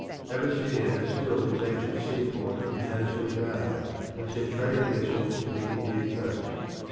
Abyssinia had still its ancient seaport in Annesley Bay, and sent trading vessels to the India coast.